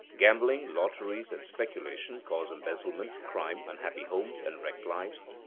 Gambling, lotteries, and speculation cause embezzlement, crime, unhappy homes, and wrecked lives.